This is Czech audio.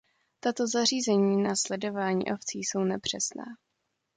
Tato zařízení na sledování ovcí jsou nepřesná.